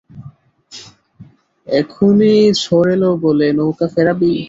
এখুনি ঝড় এলো বলে, নৌকা ফেরাবি?